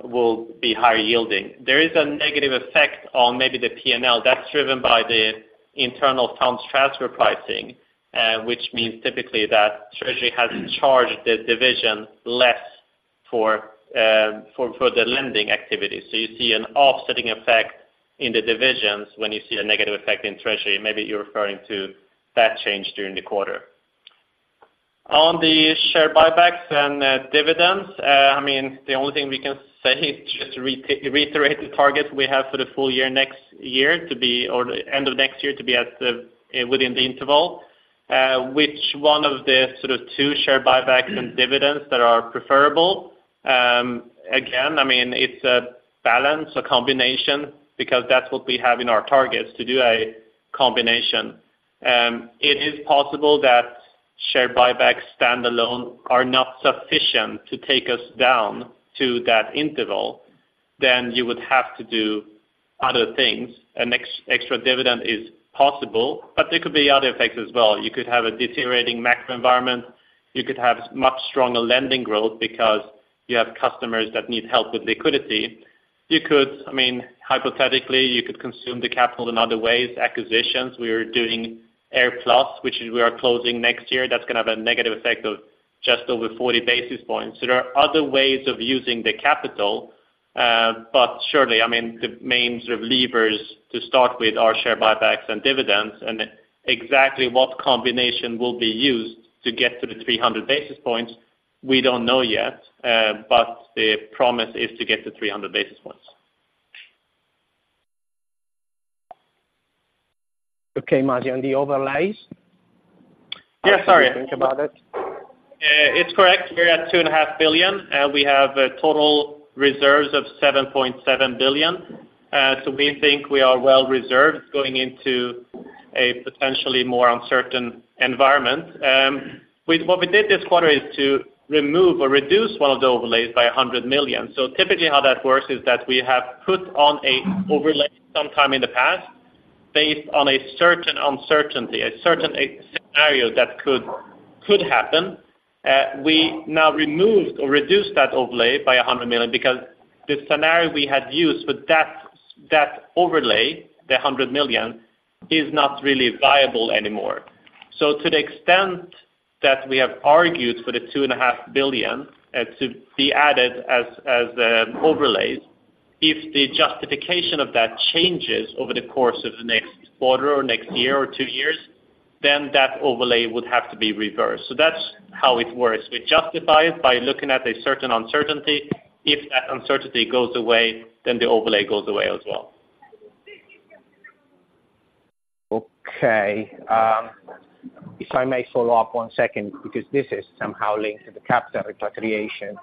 will be higher yielding. There is a negative effect on maybe the P&L that's driven by the internal funds transfer pricing, which means typically that treasury has charged the division less for the lending activity. So you see an offsetting effect in the divisions when you see a negative effect in treasury. Maybe you're referring to that change during the quarter. On the share buybacks and dividends, I mean, the only thing we can say is just to reiterate the targets we have for the full year, next year to be, or the end of next year, to be at the within the interval. Which one of the sort of two share buybacks and dividends that are preferable? Again, I mean, it's a balance, a combination, because that's what we have in our targets, to do a combination. It is possible that share buybacks standalone are not sufficient to take us down to that interval, then you would have to do other things. An extra dividend is possible, but there could be other effects as well. You could have a deteriorating macro environment. You could have much stronger lending growth because you have customers that need help with liquidity. You could, I mean, hypothetically, you could consume the capital in other ways, acquisitions. We are doing AirPlus, which we are closing next year. That's gonna have a negative effect of just over 40 basis points. There are other ways of using the capital, but surely, I mean, the main sort of levers to start with are share buybacks and dividends, and exactly what combination will be used to get to the 300 basis points, we don't know yet, but the promise is to get to 300 basis points. Okay, Masih, and the overlays? Yes, sorry. Think about it. It's correct. We're at 2.5 billion, we have total reserves of 7.7 billion. So we think we are well reserved going into a potentially more uncertain environment. What we did this quarter is to remove or reduce one of the overlays by 100 million. So typically, how that works is that we have put on an overlay sometime in the past, based on a certain uncertainty, a certain scenario that could happen. We now removed or reduced that overlay by 100 million because the scenario we had used for that overlay, the 100 million, is not really viable anymore. So to the extent that we have argued for the 2.5 billion to be added as overlays... If the justification of that changes over the course of the next quarter or next year or two years, then that overlay would have to be reversed. So that's how it works. We justify it by looking at a certain uncertainty. If that uncertainty goes away, then the overlay goes away as well. Okay, if I may follow up one second, because this is somehow linked to the capital creation.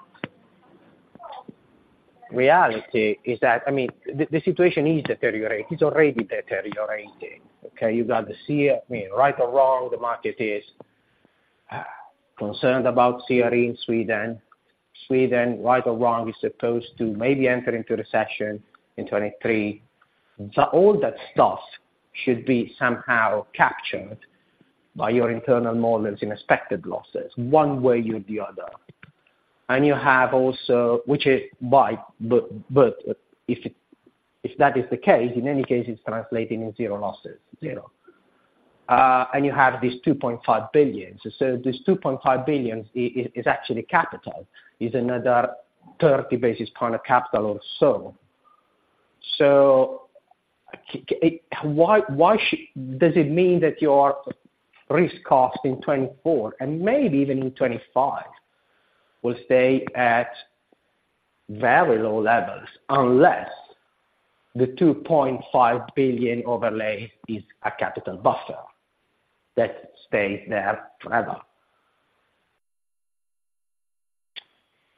Reality is that, I mean, the situation is deteriorating. It's already deteriorating, okay? You've got the CEO, I mean, right or wrong, the market is concerned about CRE in Sweden. Sweden, right or wrong, is supposed to maybe enter into recession in 2023. So all that stuff should be somehow captured by your internal models in expected losses, one way or the other. And you have also, but if it, if that is the case, in any case, it's translating in zero losses, zero. And you have this 2.5 billion. So this 2.5 billion is actually capital, is another 30 basis points of capital or so. So k- it... Why, why does it mean that your risk cost in 2024, and maybe even in 2025, will stay at very low levels, unless the 2.5 billion overlay is a capital buffer that stays there forever?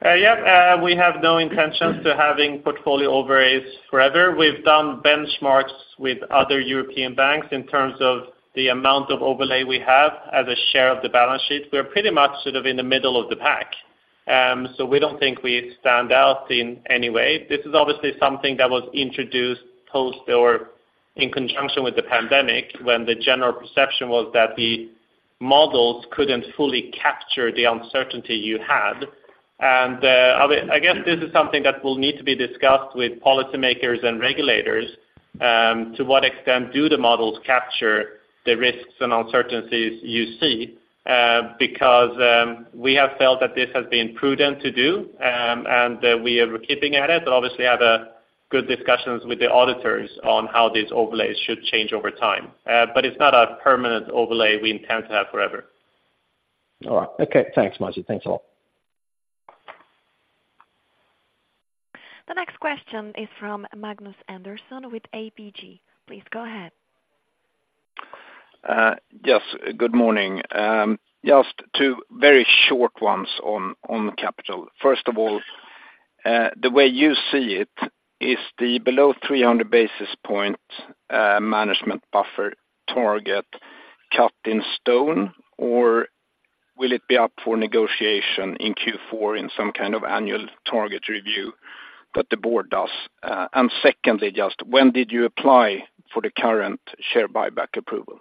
Yep, we have no intentions to having portfolio overlays forever. We've done benchmarks with other European banks in terms of the amount of overlay we have as a share of the balance sheet. We're pretty much sort of in the middle of the pack. So we don't think we stand out in any way. This is obviously something that was introduced post or in conjunction with the pandemic, when the general perception was that the models couldn't fully capture the uncertainty you had. And, I mean, I guess this is something that will need to be discussed with policymakers and regulators, to what extent do the models capture the risks and uncertainties you see? Because, we have felt that this has been prudent to do, and we are keeping at it, but obviously have good discussions with the auditors on how these overlays should change over time. But it's not a permanent overlay we intend to have forever. All right. Okay, thanks, Masih. Thanks a lot. The next question is from Magnus Andersson with ABG. Please go ahead. Yes, good morning. Just two very short ones on capital. First of all, the way you see it, is the below 300 basis points management buffer target cut in stone, or will it be up for negotiation in Q4 in some kind of annual target review that the board does? And secondly, just when did you apply for the current share buyback approval?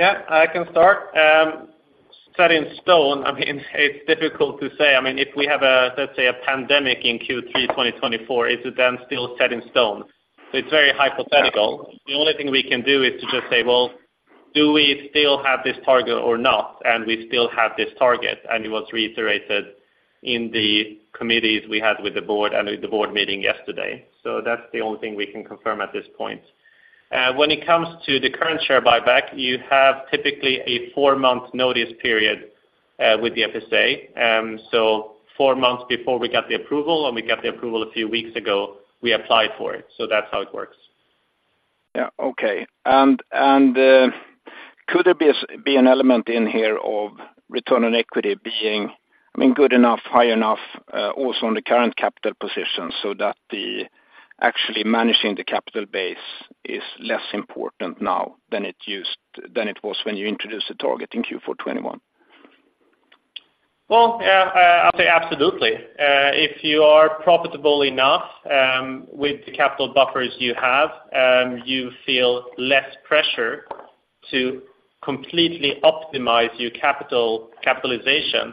Yeah, I can start. Set in stone, I mean, it's difficult to say. I mean, if we have a, let's say, a pandemic in Q3 2024, is it then still set in stone? So it's very hypothetical. The only thing we can do is to just say, well, do we still have this target or not? And we still have this target, and it was reiterated in the committees we had with the board and at the board meeting yesterday. So that's the only thing we can confirm at this point. When it comes to the current share buyback, you have typically a four-month notice period with the FSA. So four months before we got the approval, and we got the approval a few weeks ago, we applied for it. So that's how it works. Yeah. Okay. Could there be an element in here of return on equity being, I mean, good enough, high enough, also on the current capital position, so that actually managing the capital base is less important now than it used to be than it was when you introduced the target in Q4 2021? Well, yeah, I'd say absolutely. If you are profitable enough, with the capital buffers you have, you feel less pressure to completely optimize your capital capitalization,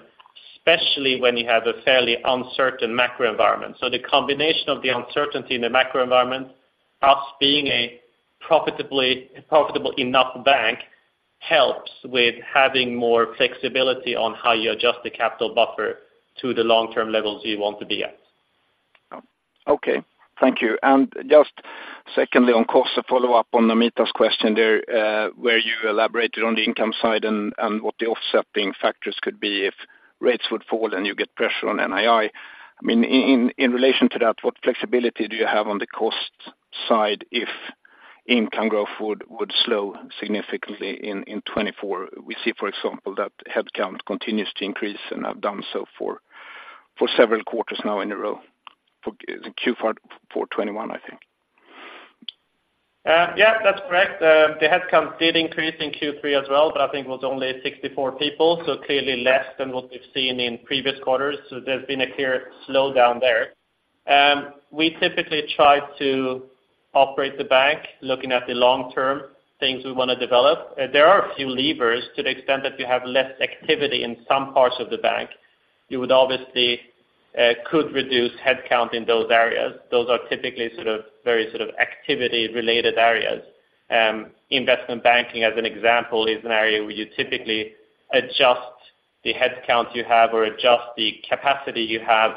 especially when you have a fairly uncertain macro environment. So the combination of the uncertainty in the macro environment, us being a profitably, profitable enough bank, helps with having more flexibility on how you adjust the capital buffer to the long-term levels you want to be at. Okay, thank you. And just secondly, on cost, to follow up on Namita's question there, where you elaborated on the income side and what the offsetting factors could be if rates would fall and you get pressure on NII. I mean, in relation to that, what flexibility do you have on the cost side if income growth would slow significantly in 2024? We see, for example, that headcount continues to increase, and have done so for several quarters now in a row, for Q4 2021, I think. Yeah, that's correct. The headcount did increase in Q3 as well, but I think it was only 64 people, so clearly less than what we've seen in previous quarters. So there's been a clear slowdown there. We typically try to operate the bank looking at the long term, things we want to develop. There are a few levers to the extent that you have less activity in some parts of the bank. You would obviously could reduce headcount in those areas. Those are typically sort of very sort of activity-related areas. Investment banking, as an example, is an area where you typically adjust the headcount you have or adjust the capacity you have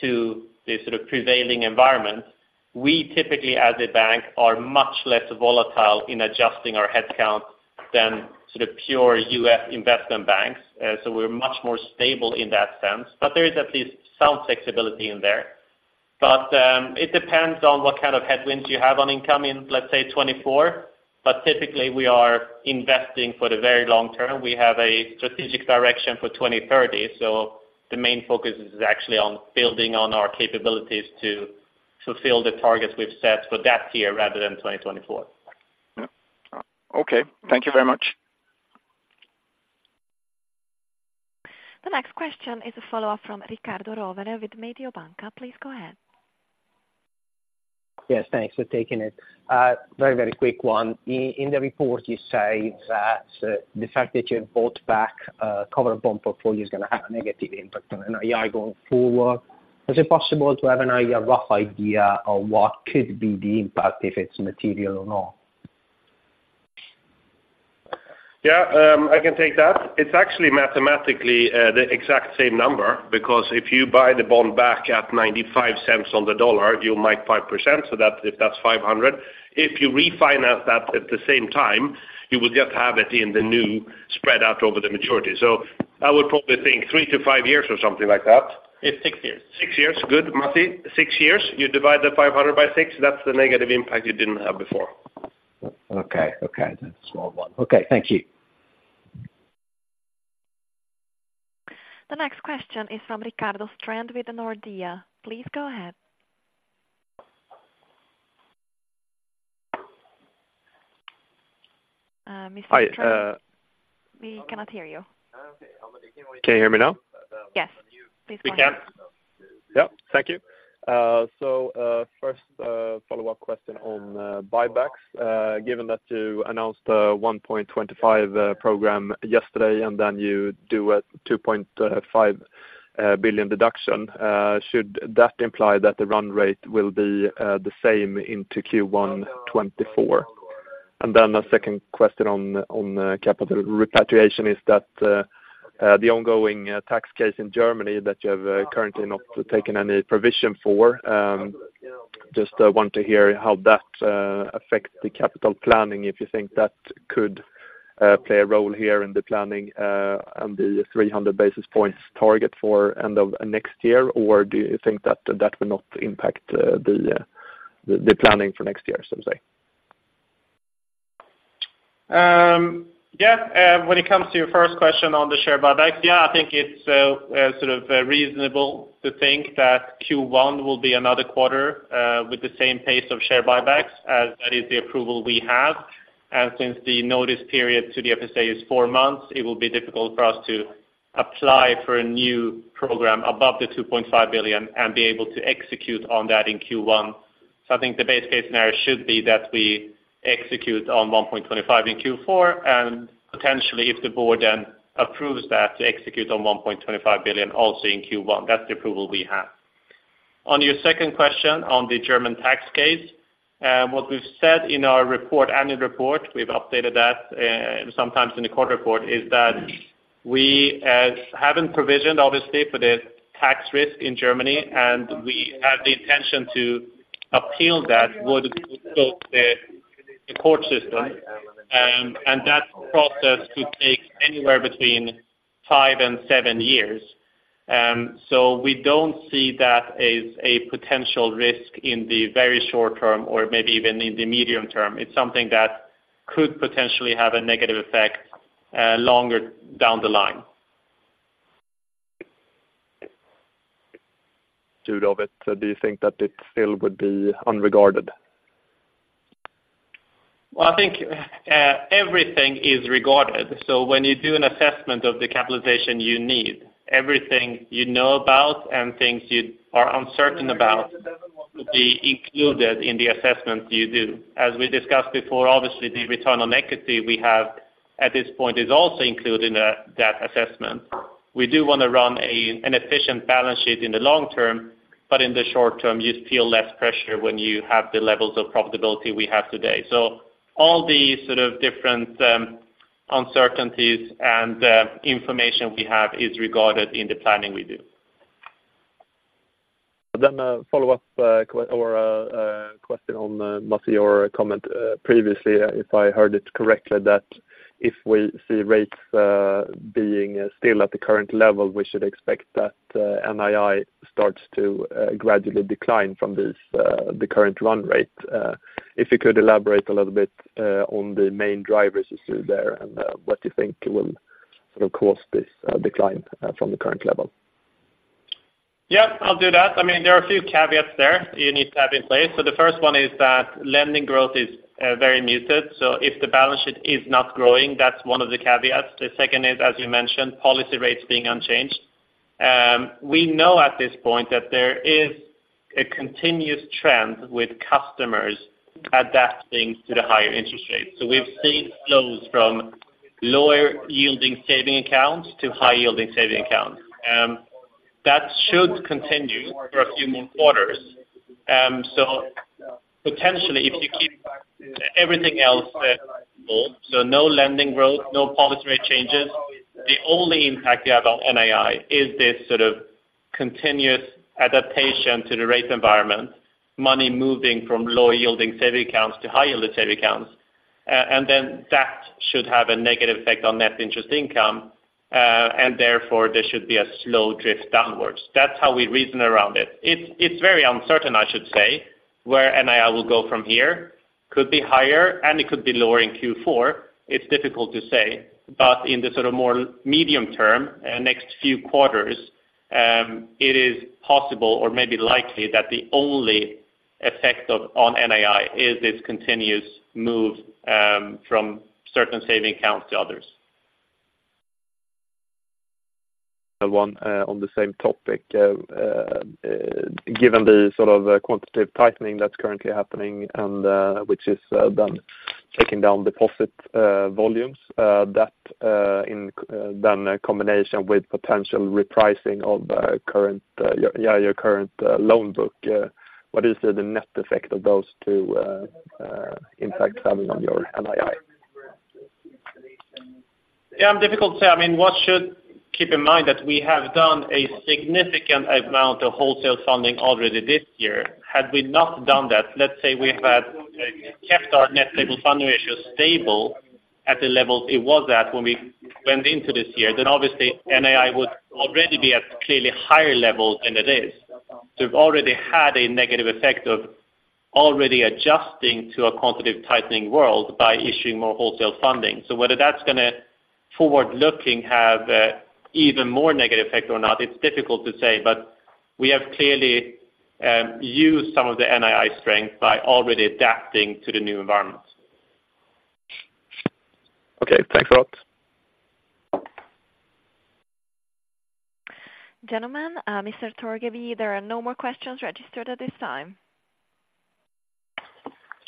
to the sort of prevailing environment. We typically, as a bank, are much less volatile in adjusting our headcount than sort of pure US investment banks. So we're much more stable in that sense, but there is at least some flexibility in there. But, it depends on what kind of headwinds you have on income in, let's say, 2024. But typically we are investing for the very long term. We have a strategic direction for 2030, so the main focus is actually on building on our capabilities to fulfill the targets we've set for that year rather than 2024. Yep. Okay, thank you very much. The next question is a follow-up from Riccardo Rovere with Mediobanca. Please go ahead. Yes, thanks for taking it. Very, very quick one. In the report you say that the fact that you bought back cover bond portfolio is gonna have a negative impact on NII going forward. Is it possible to have an idea, rough idea of what could be the impact if it's material or not? Yeah, I can take that. It's actually mathematically the exact same number, because if you buy the bond back at $0.95 on the dollar, you'll make 5%, so if that's 500. If you refinance that at the same time, you will just have it in the new spread out over the maturity. So I would probably think 3-5 years or something like that. It's six years. Six years? Good, Masih. Six years, you divide the 500 by six, that's the negative impact you didn't have before. Okay, okay, that's a small one. Okay, thank you. The next question is from Rickard Strand with Nordea. Please go ahead. Mr. Strand- Hi, uh- We cannot hear you. Can you hear me now? Yes. Please go on. We can. Yep, thank you. So, first, follow-up question on buybacks. Given that you announced 1.25 billion program yesterday, and then you do a 2.5 billion deduction, should that imply that the run rate will be the same into Q1 2024? And then a second question on capital repatriation is that the ongoing tax case in Germany that you have currently not taken any provision for, just want to hear how that affects the capital planning, if you think that could play a role here in the planning on the 300 basis points target for end of next year? Or do you think that that will not impact the planning for next year, so to say? When it comes to your first question on the share buybacks, I think it's sort of reasonable to think that Q1 will be another quarter with the same pace of share buybacks, as that is the approval we have. And since the notice period to the FSA is four months, it will be difficult for us to apply for a new program above the 2.5 billion and be able to execute on that in Q1. So I think the base case scenario should be that we execute on 1.25 billion in Q4, and potentially, if the board then approves that, to execute on 1.25 billion also in Q1. That's the approval we have. On your second question on the German tax case, what we've said in our report, annual report, we've updated that, sometimes in the quarter report, is that we haven't provisioned, obviously, for the tax risk in Germany, and we have the intention to appeal that would go the, the court system. And that process could take anywhere between 5-7 years. So we don't see that as a potential risk in the very short term or maybe even in the medium term. It's something that could potentially have a negative effect, longer down the line.... part of it, so do you think that it still would be unregarded? Well, I think, everything is regarded. So when you do an assessment of the capitalization you need, everything you know about and things you are uncertain about will be included in the assessment you do. As we discussed before, obviously, the return on equity we have at this point is also included in, that assessment. We do wanna run a, an efficient balance sheet in the long term, but in the short term, you feel less pressure when you have the levels of profitability we have today. So all these sort of different, uncertainties and, information we have is regarded in the planning we do. Then a follow-up, a question on, Masih, your comment previously, if I heard it correctly, that if we see rates being still at the current level, we should expect that NII starts to gradually decline from this, the current run rate. If you could elaborate a little bit on the main drivers you see there, and what you think will sort of cause this decline from the current level. Yeah, I'll do that. I mean, there are a few caveats there you need to have in place. So the first one is that lending growth is very muted, so if the balance sheet is not growing, that's one of the caveats. The second is, as you mentioned, policy rates being unchanged. We know at this point that there is a continuous trend with customers adapting to the higher interest rates. So we've seen flows from lower-yielding saving accounts to high-yielding saving accounts. That should continue for a few more quarters. So potentially, if you keep everything else set equal, so no lending growth, no policy rate changes, the only impact you have on NII is this sort of continuous adaptation to the rate environment, money moving from low-yielding saving accounts to high-yielding saving accounts. And then that should have a negative effect on net interest income, and therefore, there should be a slow drift downwards. That's how we reason around it. It's, it's very uncertain, I should say, where NII will go from here. Could be higher, and it could be lower in Q4. It's difficult to say, but in the sort of more medium term, next few quarters, it is possible or maybe likely that the only effect on NII is this continuous move, from certain savings accounts to others. One, on the same topic, given the sort of quantitative tightening that's currently happening and which is done taking down deposit volumes, that in then a combination with potential repricing of current yeah your current loan book, what is the net effect of those two impacts having on your NII? Yeah, difficult to say. I mean, one should keep in mind that we have done a significant amount of wholesale funding already this year. Had we not done that, let's say we had kept our net stable funding ratio stable at the level it was at when we went into this year, then obviously, NII would already be at clearly higher levels than it is. So we've already had a negative effect of already adjusting to a quantitative tightening world by issuing more wholesale funding. So whether that's gonna, forward-looking, have, even more negative effect or not, it's difficult to say, but we have clearly, used some of the NII strength by already adapting to the new environment. Okay, thanks a lot. Gentlemen, Mr. Torgeby, there are no more questions registered at this time.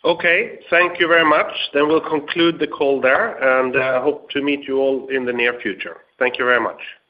Okay, thank you very much. Then we'll conclude the call there, and hope to meet you all in the near future. Thank you very much.